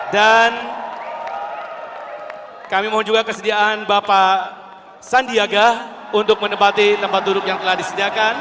dan kami mohon juga kesediaan bapak sandiaga untuk menempati tempat duduk yang telah disediakan